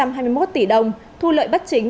hai trăm hai mươi một tỷ đồng thu lợi bất chính